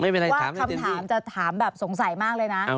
ว่าคำถามจะถามแบบสงสัยมากเลยนะ